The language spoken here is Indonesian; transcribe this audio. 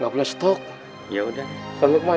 bentar dulu ya